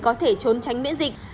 có thể trốn tránh biễn dịch